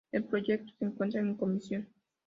El proyecto se encuentra en comisión.